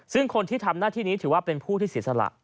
ซึ่งคนที่ทำหน้าที่นี้ถือว่าเป็นผู้ที่เสียสละ